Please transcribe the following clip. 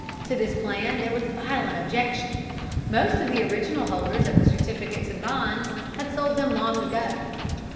To this plan there was violent objection. Most of the original holders of the certificates and bonds had sold them long ago.